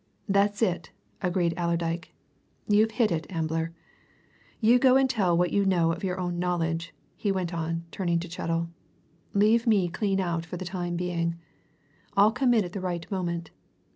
"That's it," agreed Allerdyke. "You've hit it, Ambler. You go and tell what you know of your own knowledge," he went on, turning to Chettle. "Leave me clean out for the time being. I'll come in at the right moment.